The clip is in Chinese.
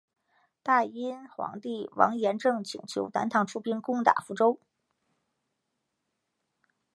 大殷皇帝王延政请求南唐出兵攻打福州。